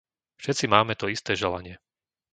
Všetci máme to isté želanie.